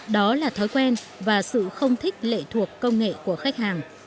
đó là thói quen và sự không thích lệ thuộc công nghệ của khách hàng